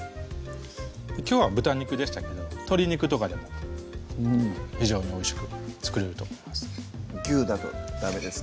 きょうは豚肉でしたけど鶏肉とかでも非常においしく作れると思います牛だとダメですか？